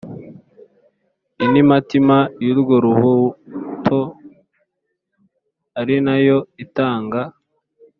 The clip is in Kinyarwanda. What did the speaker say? intimatima y urwo rubuto ari na yo itanga